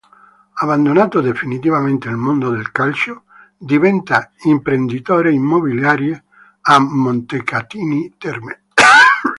Abbandonato definitivamente il mondo del calcio, diventa imprenditore immobiliare a Montecatini Terme.